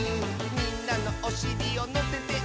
「みんなのおしりをのせてあげるよ」